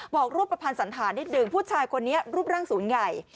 รูปประพันธ์สันฐานนิดหนึ่งผู้ชายคนนี้รูปร่างสูงใหญ่